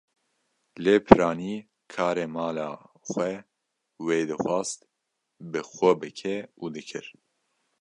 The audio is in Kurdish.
Lê piranî karê mala xwe wê dixwast bi xwe bike û dikir.